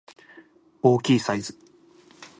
大きいサイズ